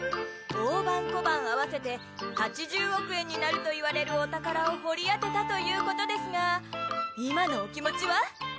大判小判合わせて８０億円になるといわれるお宝を掘り当てたということですが今のお気持ちは？